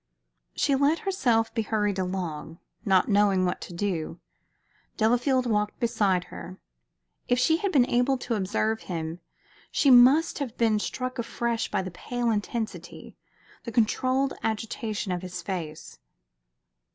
She let herself be hurried along, not knowing what to do. Delafield walked beside her. If she had been able to observe him, she must have been struck afresh by the pale intensity, the controlled agitation of his face.